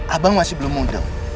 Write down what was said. abang masih belum muda